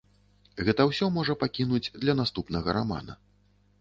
Гэта ўсё можа пакінуць для наступнага рамана.